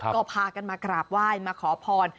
ก็พากันมากราบไหว้มาขอพร